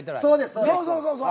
そうです。